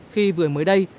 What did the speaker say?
khi vừa mới đây